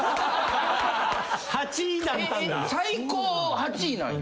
最高８位なんや。